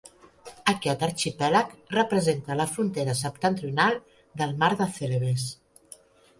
Aquest arxipèlag representa la frontera septentrional del mar de Cèlebes.